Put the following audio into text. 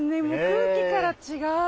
空気から違う。